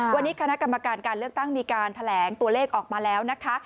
วันนี้คณะกรรมการการเลือกตั้งมีการแถลงตัวเลขออกมาแล้วนะคะ